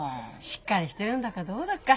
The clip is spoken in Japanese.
しっかりしてるんだかどうだか。